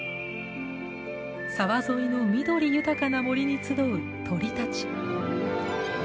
沢沿いの緑豊かな森に集う鳥たち。